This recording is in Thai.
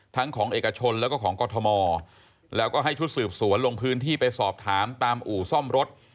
ของเอกชนแล้วก็ของกรทมแล้วก็ให้ชุดสืบสวนลงพื้นที่ไปสอบถามตามอู่ซ่อมรถ